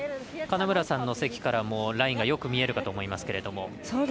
金村さんの席からもラインがよく見えるかと思いますけど。